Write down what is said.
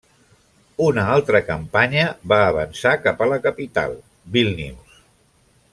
Una altra campanya va avançar cap a la capital, Vílnius.